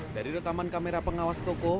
dari rekaman kamera pengawas toko